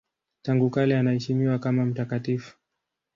Tangu kale anaheshimiwa kama mtakatifu.